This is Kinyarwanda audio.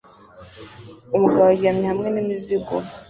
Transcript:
Umugabo aryamye hamwe n'imizigo